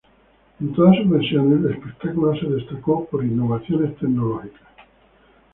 En todas sus versiones el espectáculo se destacó por innovaciones tecnológicas.